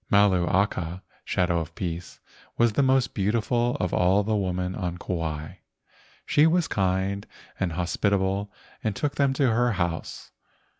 Malu aka (shadow of peace) was the most beautiful of all the women on Kauai. She was kind and hospitable and took them to her house.